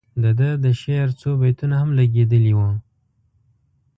د ده د شعر څو بیتونه هم لګیدلي وو.